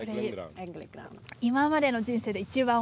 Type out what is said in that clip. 今までの人生で一番おいしい。